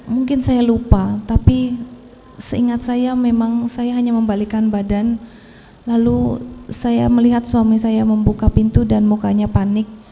mungkin saya lupa tapi seingat saya memang saya hanya membalikan badan lalu saya melihat suami saya membuka pintu dan mukanya panik